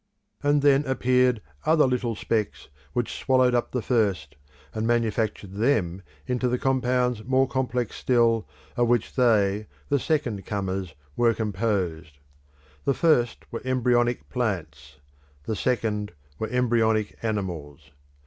And then appeared other little specks which swallowed up the first, and manufactured them into the compounds more complex still, of which they, the second comers, were composed. The first were embryonic plants; the second were embryonic animals.